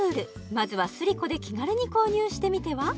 まずはスリコで気軽に購入してみては？